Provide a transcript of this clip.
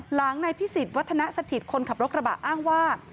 หลังนายพิสิทธิวัฒนสถิตคนขับรถกระบะอ้างว่า